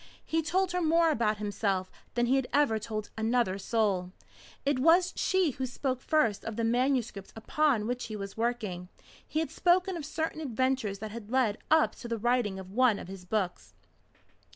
He told her more about himself than he had ever told another soul. It was she who spoke first of the manuscript upon which he was working. He had spoken of certain adventures that had led up to the writing of one of his books.